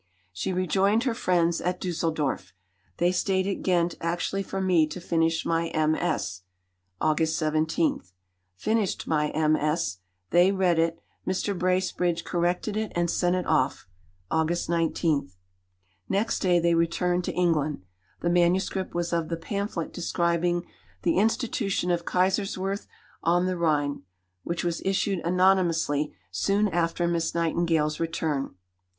" She rejoined her friends at Düsseldorf. "They stayed at Ghent actually for me to finish my MS." (August 17). "Finished my MS. They read it. Mr. Bracebridge corrected it and sent it off" (August 19). Next day they returned to England. The manuscript was of the pamphlet describing "The Institution of Kaiserswerth on the Rhine," which was issued anonymously soon after Miss Nightingale's return.